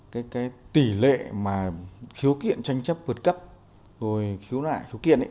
cái tỷ lệ mà khiếu kiện tranh chấp vượt cấp rồi khiếu nại khiếu kiện